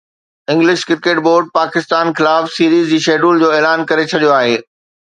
English cricket board Pakistan خلاف series جي schedule جو اعلان ڪري ڇڏيو آهي